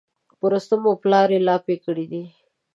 په رستم او پلار یې لاپې کړي دي.